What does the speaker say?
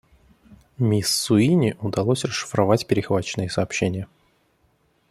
Мисс Суини удалось расшифровать перехваченные сообщения.